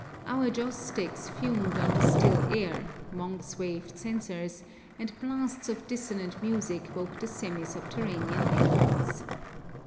Our joss sticks fumed on the still air, monks waved censers, and blasts of dissonant music woke the semi subterranean echoes.